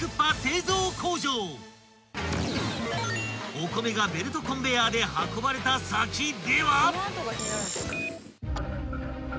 ［お米がベルトコンベヤーで運ばれた先では］